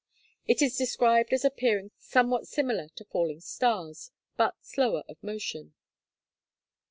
It is described as appearing somewhat similar to falling stars, but slower of motion.